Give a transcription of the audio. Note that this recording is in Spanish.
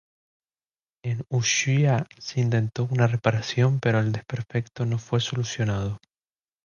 En Ushuaia se intentó una reparación pero el desperfecto no fue solucionado.